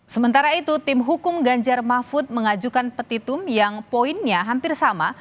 sementara itu tim hukum ganjar mahfud mengajukan petitum yang poinnya hampir sama